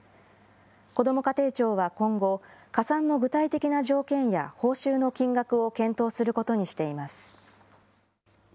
こども家庭庁は今後、加算の具体的な条件や報酬の金額を検討することにしています。